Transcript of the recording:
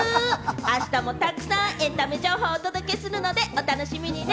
あしたもたくさんエンタメ情報をお届けするので、お楽しみにね！